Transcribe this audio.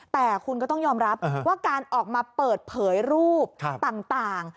แต่คุณก็ต้องยอมรับว่าการออกมาเปิดเผยรูปต่าง